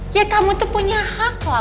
ya kamu tuh punya hak loh